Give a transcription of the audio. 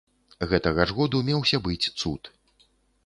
Гэтага ж году меўся быць цуд.